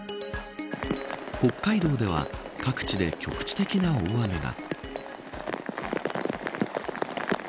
北海道では各地で局地的な大雨が。